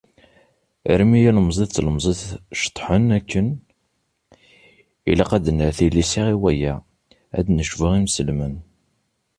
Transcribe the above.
Armi ilemẓi d tlemẓit ceṭṭḥen akken, ilaq ad nerr tilisa i waya, ad necbu inselmen.